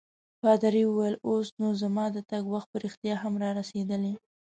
پادري وویل: اوس نو زما د تګ وخت په رښتیا هم رارسیدلی.